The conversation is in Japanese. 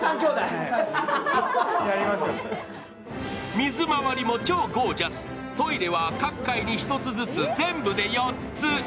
水回りも超ゴージャス、トイレは各階に１つずつ全部で４つ。